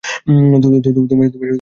তোমায় আরো বিশদভাবে বলতে হবে।